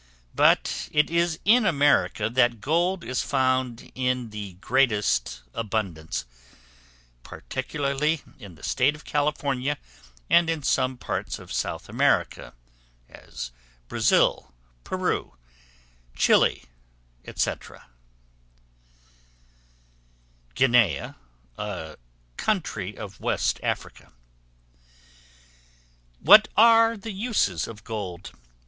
But it is in America that gold is found in the greatest abundance, particularly in the State of California, and in some parts of South America, as Brazil, Peru, Chili, &c. Guinea, a country of Western Africa. What are the uses of Gold?